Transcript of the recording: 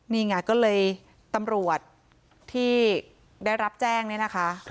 นี่ไงก็เลยตำรวจที่ได้รับแจ้งเนี่ยนะคะ